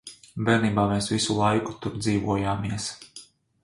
Bērnībā mēs visu laiku tur dzīvojāmies.